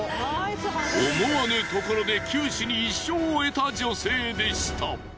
思わぬところで九死に一生を得た女性でした。